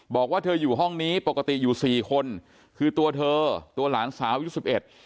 บอกว่าเธออยู่ห้องนี้ปกติอยู่สี่คนคือตัวเธอตัวหลานสาวยุคสิบเอ็ด